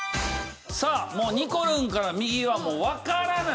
さあもうにこるんから右はもうわからない。